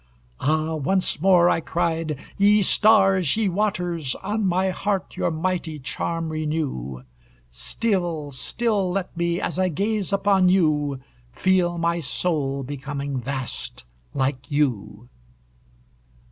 "Ah, once more," I cried, "ye stars, ye waters, On my heart your mighty charm renew; Still, still let me, as I gaze upon you, Feel my soul becoming vast like you."